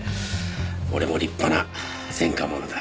俺も立派な前科者だ。